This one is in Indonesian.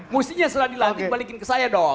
mesti dia setelah dilatih balikin ke saya dong